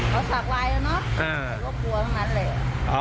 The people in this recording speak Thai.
เขาสากวายแล้วเนอะเขาก็กลัวทั้งนั้นเลย